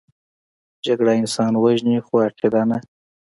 جګړه انسان وژني، خو عقیده نه